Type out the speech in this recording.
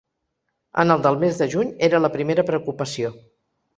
En el del mes de juny era la primera preocupació.